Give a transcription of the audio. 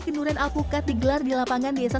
kenduren alpukat digelar di lapangan desa